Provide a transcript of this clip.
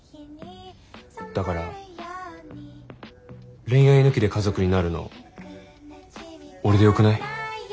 だから恋愛抜きで家族になるの俺でよくない？